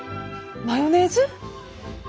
マヨネーズ？